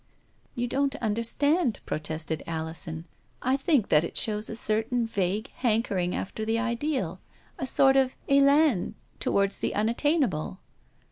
" You don't understand," returned Alison ;" I think that it shows a certain vague hanker ing after the ideal — a sort of elcm toward the unattainable."